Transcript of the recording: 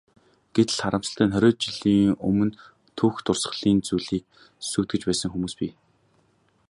Гэтэл, харамсалтай нь хориод жилийн өмнө түүх дурсгалын зүйлийг сүйтгэж байсан хүмүүс бий.